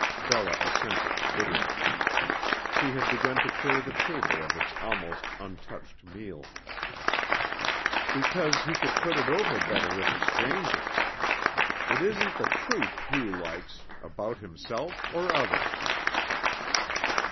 Bella assented, bitterly. She had begun to clear the table of its almost untouched meal. "Because he could put it over better with a stranger. It isn't the truth Hugh likes about himself, or others."